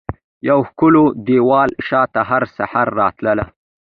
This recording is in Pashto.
یوه ښکالو ددیوال شاته هرسحر راتلله